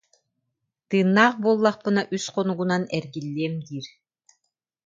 Тыыннаах буоллахпына үс хонугунан эргиллиэм диир